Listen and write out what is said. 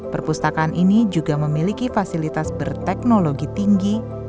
perpustakaan ini juga memiliki fasilitas berteknologi tinggi